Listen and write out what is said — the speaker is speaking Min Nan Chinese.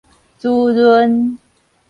滋潤